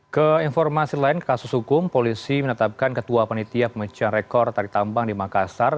ke informasi lain kasus hukum polisi menetapkan ketua panitia pemecahan rekor tarik tambang di makassar